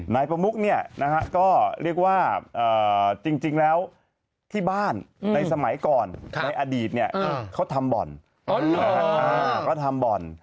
นายประมุกเนี่ยนะฮะก็เรียกว่าจริงแล้วที่บ้านในสมัยก่อนในอดีตเนี่ยเขาทำบ่อนเขาทำบ่อน